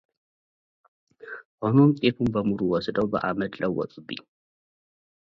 ሆኖም ጤፉን በሙሉ ወስደው በአመድ ለወጡብኝ፡፡